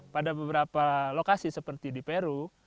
pada beberapa lokasi seperti di peru